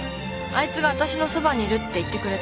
あいつがわたしのそばにいるって言ってくれた。